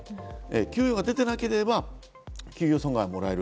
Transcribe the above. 給与が出ていなければ給与損害はもらえる。